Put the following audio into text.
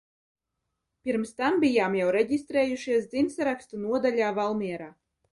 Pirms tam bijām jau reģistrējušies dzimtsarakstu nodaļā Valmierā.